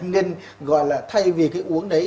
nên gọi là thay vì cái uống đấy